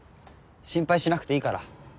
心配しなくていいから。